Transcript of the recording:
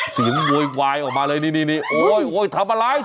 เสียงโวยวายออกมาเลยนี่ทำอะไร